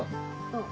うん。